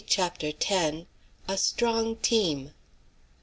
CHAPTER X. A STRONG TEAM.